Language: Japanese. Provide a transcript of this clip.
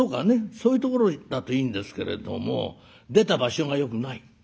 そういうところだといいんですけれども出た場所がよくない。